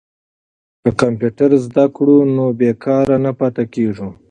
که کمپیوټر زده کړو نو بې کاره نه پاتې کیږو.